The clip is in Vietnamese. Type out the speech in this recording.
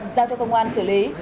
giao cho công an xử lý